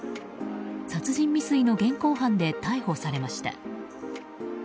殺人未遂の現行犯で逮捕されました。